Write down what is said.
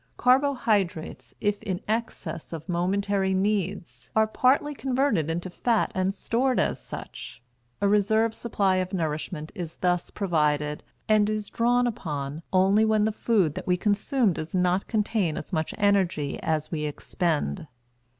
Carbohydrates, if in excess of momentary needs, are partly converted into fat and stored as such. A reserve supply of nourishment is thus provided, and is drawn upon only when the food that we consume does not contain as much energy as we expend.